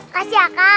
kasih aja kak